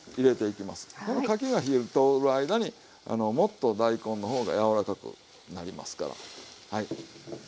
このかきが火が通る間にもっと大根の方が柔らかくなりますから。